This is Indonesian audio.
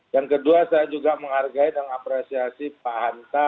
yang kedua saya juga menghargai dan apresiasi pak hanta